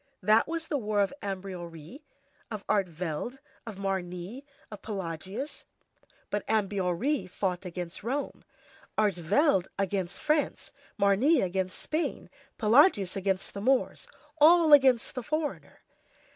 That was the war of Ambiorix, of Artevelde, of Marnix, of Pelagius. But Ambiorix fought against Rome, Artevelde against France, Marnix against Spain, Pelagius against the Moors; all against the foreigner.